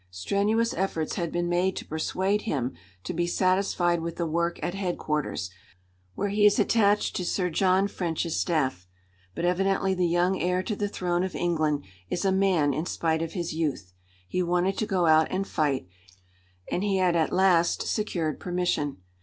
Strenuous efforts had been made to persuade him to be satisfied with the work at headquarters, where he is attached to Sir John French's staff. But evidently the young heir to the throne of England is a man in spite of his youth. He wanted to go out and fight, and he had at last secured permission.